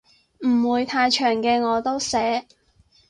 唔會太長嘅我都寫